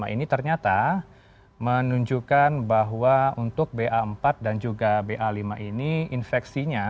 ini ternyata menunjukkan bahwa untuk ba empat dan juga ba lima ini infeksinya